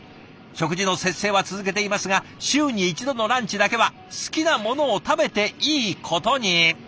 食事の節制は続けていますが週に１度のランチだけは好きなものを食べていいことに。